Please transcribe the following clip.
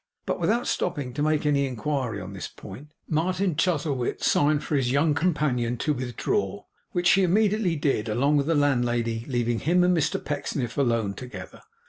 But without stopping to make any inquiry on this point, Martin Chuzzlewit signed to his young companion to withdraw, which she immediately did, along with the landlady leaving him and Mr Pecksniff alone together.